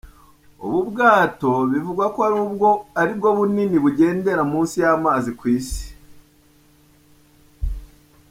Ubu bwato bivugwa ko ari bwo bunini bugendera munsi y’amazi ku Isi.